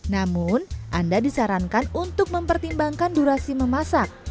namun anda disarankan untuk mempertimbangkan durasi memasak